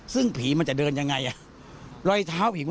ซึ่งผีมันจะเดินอย่างไร